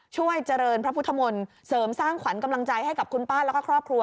ช่วยเจริญพระพุทธมนต์เสริมสร้างขวัญกำลังใจให้กับคุณป้าแล้วก็ครอบครัว